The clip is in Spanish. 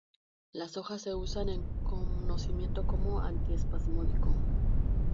Las hojas se usan en cocimiento como antiespasmódico.